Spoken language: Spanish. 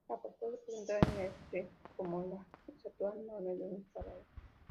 La portada presenta a Eddie the Head como la estatua enorme de un faraón.